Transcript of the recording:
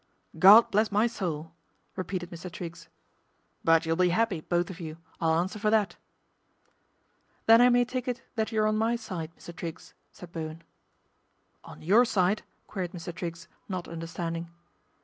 " God bless my soul !" repeated Mr. Triggs. THE DEFECTION OF MR. TRIGGS 157 " But you'll be 'appy, both of you, I'll answer for that." ' Then I may take it that you're on my side, Mr. Triggs," said Bowen. " On your side ?" queried Mr. Triggs, not understanding.